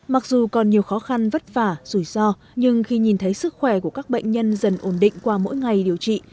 mặc dù còn nhiều khó khăn vất vả rủi ro nhưng khi nhìn thấy sức khỏe của các bệnh nhân dần ổn định qua mỗi ngày điều trị